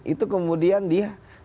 itu kemudian di